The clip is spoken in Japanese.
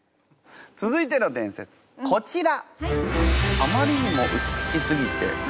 続いての伝説こちら！